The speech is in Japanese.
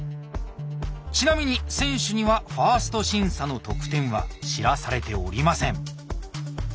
ちなみに選手には１ｓｔ審査の得点は知らされておりません。